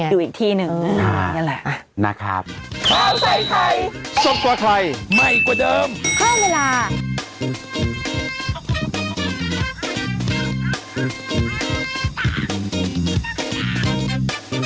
อยู่อีกที่หนึ่งอย่างนี้แหละ